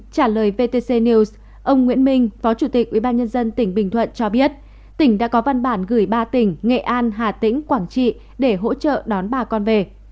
trả lời vtc news ông nguyễn minh phó chủ tịch ubnd tỉnh bình thuận cho biết tỉnh đã có văn bản gửi ba tỉnh nghệ an hà tĩnh quảng trị để hỗ trợ đón bà con về